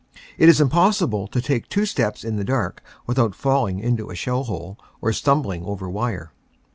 It is impossible to take two steps in the dark without falling into a shell hole or stumbling over wire.